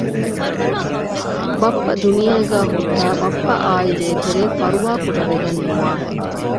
ބައްޕަ ދުނިޔޭގައި ހުއްޓައި ބައްޕައާއި ދޭތެރޭ ފަރުވާކުޑަ ވެގެން ނުވާނެ